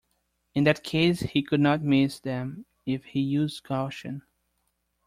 In that case he could not miss them, if he used caution.